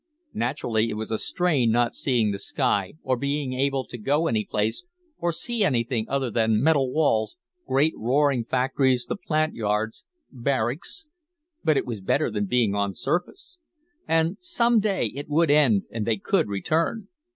Naturally it was a strain, not seeing the sky or being able to go any place or see anything other than metal walls, great roaring factories, the plant yards, barracks. But it was better than being on surface. And some day it would end and they could return.